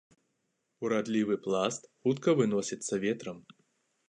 Урадлівы пласт хутка выносіцца ветрам.